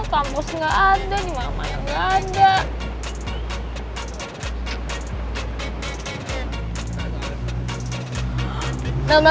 kampus ga ada gimana gimana ga ada